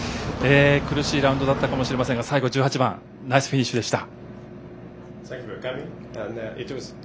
苦しいラウンドだったかもしれませんが最後、１８番ナイスフィニッシュでした。